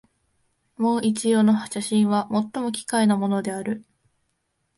もう一葉の写真は、最も奇怪なものである